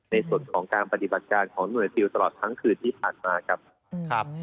ในส่วนของการปฏิบัติการของหน่วยซิลตลอดทั้งคืนที่ผ่านมาครับ